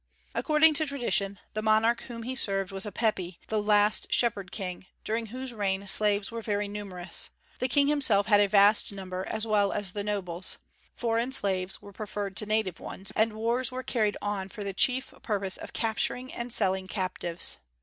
According to tradition, the monarch whom he served was Apepi, the last Shepherd King, during whose reign slaves were very numerous. The King himself had a vast number, as well as the nobles. Foreign slaves were preferred to native ones, and wars were carried on for the chief purpose of capturing and selling captives.